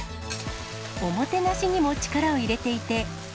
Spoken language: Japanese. おもてなしにも力を入れていて。